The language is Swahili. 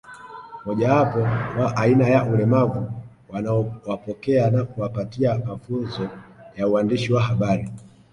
Mojawapo wa aina ya ulemavu wanaowapokea na kuwapatia mafunzo ya uandishi wa habari